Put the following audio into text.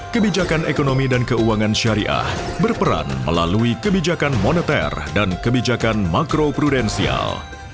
kebijakan ekonomi dan keuangan syariah berperan melalui kebijakan moneter dan kebijakan makro prudensial